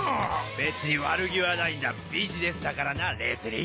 別に悪気はないんだビジネスだからなレズリー。